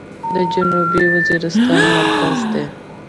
دا د جنوبي وزيرستان مرکز دى.